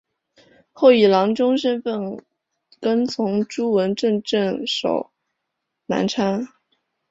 后以郎中身份跟从朱文正镇守南昌。